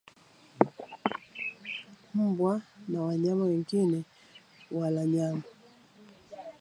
mbwa na wanyama wengine wala nyama